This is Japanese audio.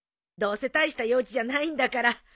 どうせ大した用事じゃないんだから。